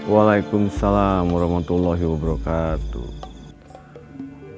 waalaikumsalam warahmatullahi wabarakatuh